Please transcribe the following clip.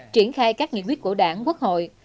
triển khai các nghị quyết của đảng quốc hội